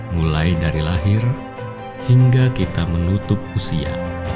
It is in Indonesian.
mulai dari lahir hingga kita menutup usia